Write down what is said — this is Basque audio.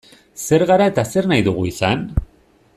Zer gara eta zer nahi dugu izan?